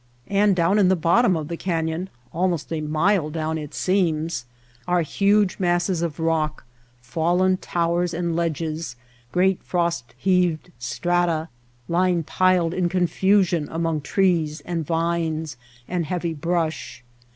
And down in the bottom of the canyon — almost a mile down it seems — are huge masses of rock, fallen towers and ledges, great frost heaved strata lying piled in confusion among trees and vines and heavy brush.